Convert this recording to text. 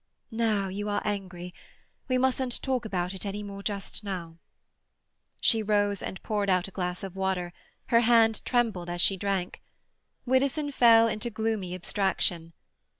"Now you are angry. We mustn't talk about it any more just now." She rose and poured out a glass of water. Her hand trembled as she drank. Widdowson fell into gloomy abstraction.